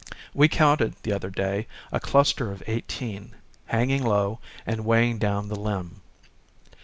We counted, the other day, a cluster of eighteen, hanging low, and weighing down the limb.